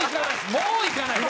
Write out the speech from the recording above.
もう行かないです。